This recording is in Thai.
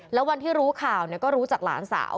แล้ววันที่รู้ข่าวก็รู้จากหลานสาว